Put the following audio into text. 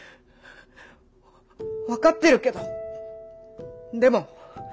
分かってるけどでも。